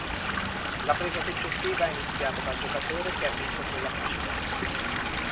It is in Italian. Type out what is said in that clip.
Le presa successiva è iniziata dal giocatore che ha vinto quella precedente.